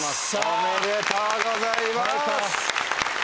ありがとうございます。